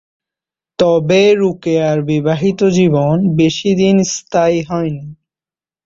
তবে রোকেয়ার বিবাহিত জীবন বেশিদিন স্থায়ী হয়নি।